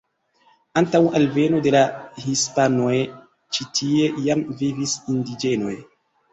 Antaŭ alveno de la hispanoj ĉi tie jam vivis indiĝenoj.